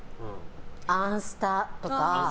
アンスタとか。